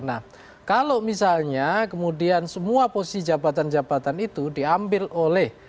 nah kalau misalnya kemudian semua posisi jabatan jabatan itu diambil oleh